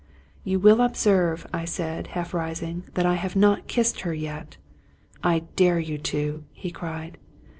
" You will observe," said I, half rising, " that I have not kissed her yet." " I dare you to," he cried.